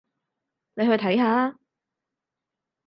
你去睇下吖